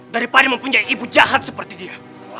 daripada mempunyai ibu jahat seperti dia